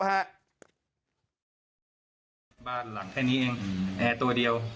บ้านหลังแค่นี้เองแอร์ตัวเดียว